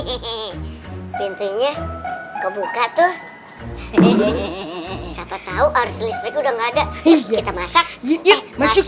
hehehe pintunya kebuka tuh hehehe siapa tahu harus listrik udah nggak ada kita masak masuk